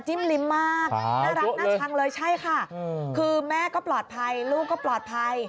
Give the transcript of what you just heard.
ลิ้มมากน่ารักน่าชังเลยใช่ค่ะคือแม่ก็ปลอดภัยลูกก็ปลอดภัย